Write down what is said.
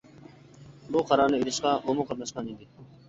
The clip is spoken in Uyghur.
بۇ قارارنى ئېلىشقا ئۇمۇ قاتناشقان ئىدى.